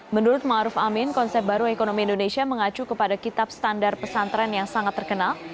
menurut ⁇ maruf ⁇ amin konsep baru ekonomi indonesia mengacu kepada kitab standar pesantren yang sangat terkenal